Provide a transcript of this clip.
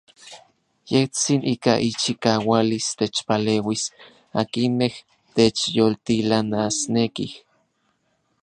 Yejtsin ika ichikaualis techpaleuis akinmej techyoltilanasnekij.